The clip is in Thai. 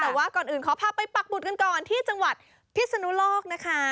แต่ว่าก่อนอื่นขอพาไปปักบุตรกันก่อนที่จังหวัดพิศนุโลกนะคะ